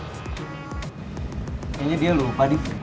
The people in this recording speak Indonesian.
kayaknya dia lupa nih